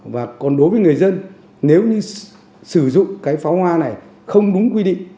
và còn đối với người dân nếu như sử dụng cái pháo hoa này không đúng quy định